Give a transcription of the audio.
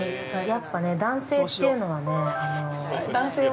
やっぱね、男性っていうのはね